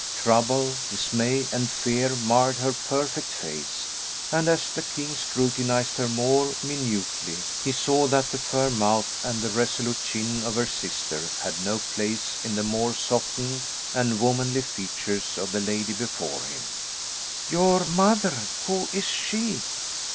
Trouble, dismay, and fear marred her perfect face, and as the king scrutinised her more minutely, he saw that the firm mouth and the resolute chin of her sister had no place in the more softened and womanly features of the lady before him. "Your mother? Who is she?"